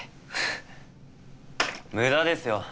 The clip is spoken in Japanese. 無駄ですよ。